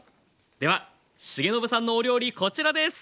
では重信さんのお料理こちらです！